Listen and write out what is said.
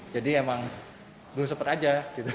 jadi emang belum sempet aja